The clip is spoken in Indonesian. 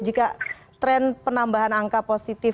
jika tren penambahan angka positif